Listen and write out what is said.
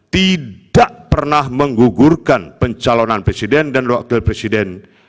tidak pernah menggugurkan pencalonan presiden dan wakil presiden